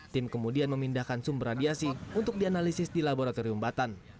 tim kemudian memindahkan sumber radiasi untuk dianalisis di laboratorium batan